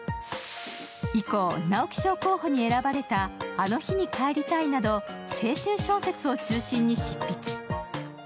以降、直木賞候補に選ばれた「あの日にかえりたい」など青春小説を中心に執筆。